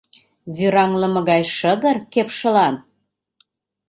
Вӱраҥлыме гай шыгыр кепшылан?